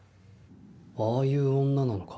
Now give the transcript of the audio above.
ああいう女なのか。